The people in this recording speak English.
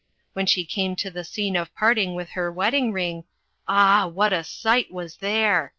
When she came to the scene of parting with her wedding ring, ah! what a sight was there!